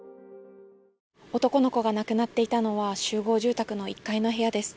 男の子が亡くなっていたのは集合住宅の１階の部屋です。